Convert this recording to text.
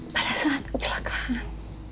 pada saat kecelakaan